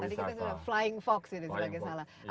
tadi kita sebut flying fox itu sebagai salah